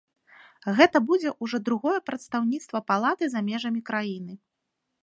Гэта будзе ўжо другое прадстаўніцтва палаты за межамі краіны.